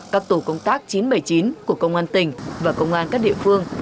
các tổ công tác chín trăm bảy mươi chín của công an tỉnh và công an các địa phương